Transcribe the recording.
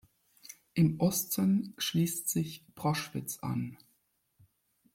Im Osten schließt sich Proschwitz an.